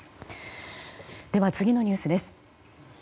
では、次のニュースです。